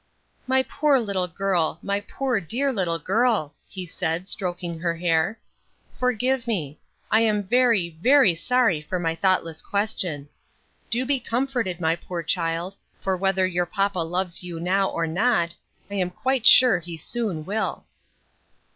"My poor little girl, my poor, dear little girl," he said, stroking her hair, "forgive me. I am very, very sorry for my thoughtless question. Do be comforted, my poor child, for whether your papa loves you now or not, I am quite sure he soon will."